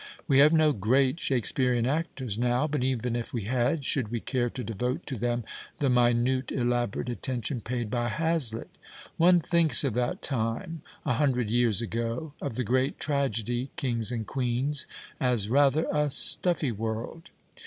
We have no " great" Shakespearean actors now, but even if we had, should we care to devote to them the minute, elaborate attention paid by Hazlitt ? One thinks of that time, a hundred years ago, of the great tragedy kings and queens as rather a stuffy world.